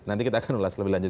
nanti kita akan ulas lebih lanjut